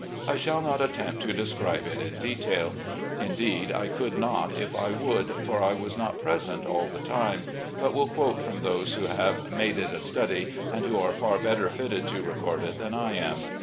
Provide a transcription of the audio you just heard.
I shall not attempt to describe it in detail — indeed, I could not if I would, for I was not present all the time — but will quote from those who have made it a study and who are far better fitted to record it than I am.